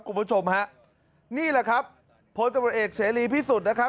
กลุ่มผู้ชมนี่แหละครับพอเศรีพิสุทธิ์